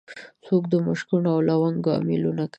څوک د مشکڼو او لونګو امېلونه کوي